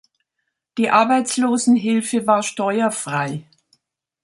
Die Arbeitslosenhilfe war steuerfrei.